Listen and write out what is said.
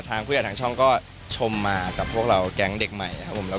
ผู้ใหญ่ทางช่องก็ชมมากับพวกเราแก๊งเด็กใหม่นะครับผม